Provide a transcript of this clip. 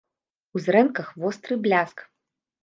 У зрэнках востры бляск.